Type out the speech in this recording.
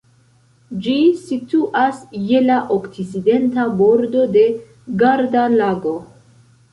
Ĝi situas je la okcidenta bordo de Garda-Lago.